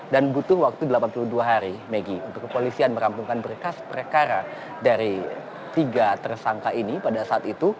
dan butuh waktu delapan puluh dua hari megi untuk kepolisian merampungkan berkas perkara dari tiga tersangka ini pada saat itu